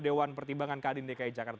dewan pertimbangan kadin dki jakarta